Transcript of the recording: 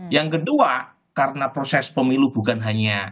yang kedua karena proses pemilu bukan hanya